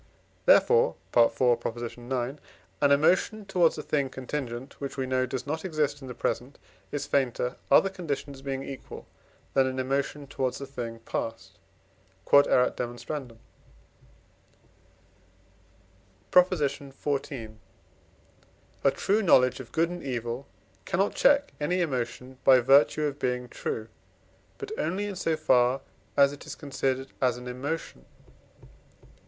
Therefore (IV. ix.) an emotion towards a thing contingent, which we know does not exist in the present, is fainter, other conditions being equal, than an emotion towards a thing past. Q.E.D. PROP. XIV. A true knowledge of good and evil cannot check any emotion by virtue of being true, but only in so far as it is considered as an emotion.